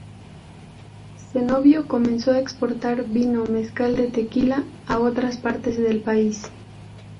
Cenobio comenzó a exportar vino mezcal de Tequila a otras partes del país.